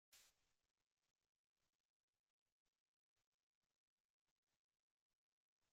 La Hondonada está abierta al público en los meses de verano.